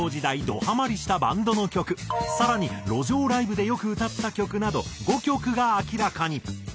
どハマりしたバンドの曲更に路上ライブでよく歌った曲など５曲が明らかに。